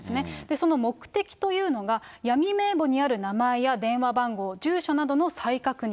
その目的というのが、闇名簿にある名前や電話番号、住所などの再確認。